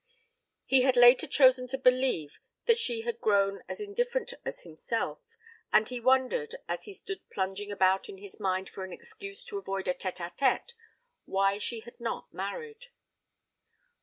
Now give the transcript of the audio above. He had later chosen to believe that she had grown as indifferent as himself, and he wondered, as he stood plunging about in his mind for an excuse to avoid a tête à tête, why she had not married.